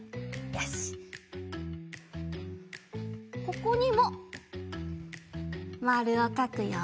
ここにもまるをかくよ。